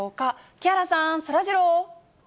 木原さん、そらジロー。